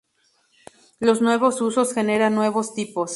Los nuevos usos generan nuevos tipos.